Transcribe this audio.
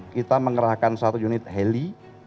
kita mengerahkan satu unit heli